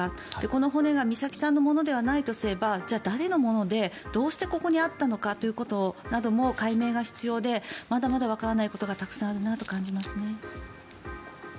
この骨が美咲さんのものではないとすればじゃあ、誰のものでどうしてここにあったのかなども解明が必要でまだまだわからないことがたくさんあるなと感じます。